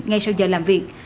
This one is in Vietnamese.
ngay sau giờ làm việc